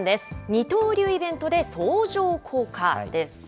二刀流イベントで相乗効果！です。